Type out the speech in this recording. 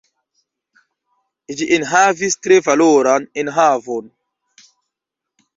Ĝi enhavis tre valoran enhavon.